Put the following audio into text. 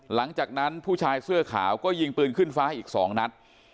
หลังจากนั้นผู้ชายเสื้อขาวก็ยิงปืนขึ้นฟ้าอีก๒นัด